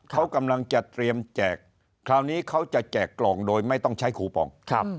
เขากำลังจะเตรียมแจกคราวนี้เขาจะแจกกล่องโดยไม่ต้องใช้คูปอง